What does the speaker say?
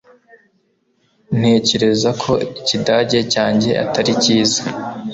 ntekereza ko ikidage cyanjye atari cyiza